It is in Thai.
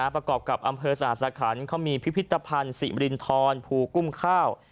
ประกอบกับอำเภอสหสคันเขามีพิพิธภัณฑ์สิรินทรภูกุ้มข้าว